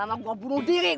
oh mau tersayang